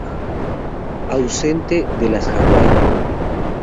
Ausente de las Hawaii.